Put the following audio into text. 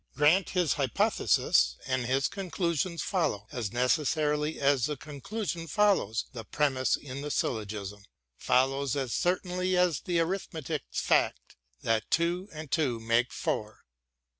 Grant his hypotheses and his conclusions follow as necessarily as the conclusion follows the premise in the syllogism, follows as certainly as the arithmetical fact that two and two make four.